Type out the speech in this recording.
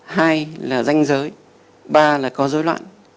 hai là danh giới ba là có rối loạn